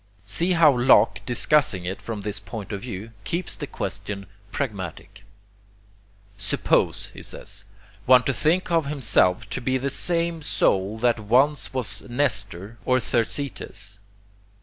See how Locke, discussing it from this point of view, keeps the question pragmatic: Suppose, he says, one to think himself to be the same soul that once was Nestor or Thersites.